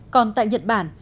còn tại nhật bản